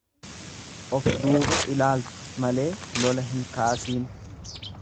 Of duuba ilaaltu malee lola hin kaasiin.